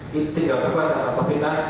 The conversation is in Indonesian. visa tinggal berbatas atau vistas